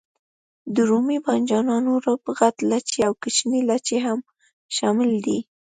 د رومي بانجانو روب، غټ لاچي او کوچنی لاچي هم شامل دي.